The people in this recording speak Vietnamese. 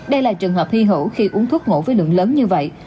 đây là trường hợp hy hữu khi uống thuốc ngộ với lượng lớn như vậy